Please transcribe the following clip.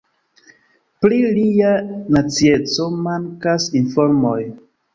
Pri lia nacieco mankas informoj.